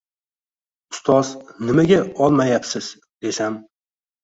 – Ustoz, nimaga olmayapsiz? – desam